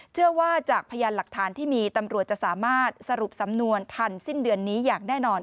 จากพยานหลักฐานที่มีตำรวจจะสามารถสรุปสำนวนทันสิ้นเดือนนี้อย่างแน่นอน